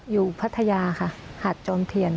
พัทยาค่ะหาดจอมเทียน